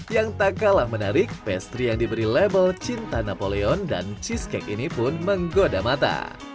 yang tak kalah menarik pastry yang diberi label cinta napoleon dan cheesecake ini pun menggoda mata